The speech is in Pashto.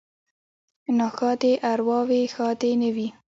ـ ناښادې ارواوې ښادې نه وي.